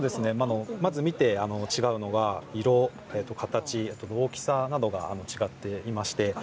まず見て違うのが色、形大きさなどが違っています。